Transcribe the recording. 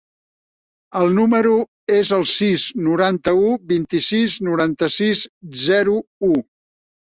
El meu número es el sis, noranta-u, vint-i-sis, noranta-sis, zero, u.